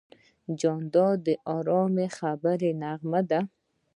جانداد د ارام خبرو نغمه ده.